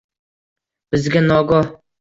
Bizga nogoh